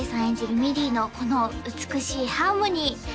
演じるミディのこの美しいハーモニー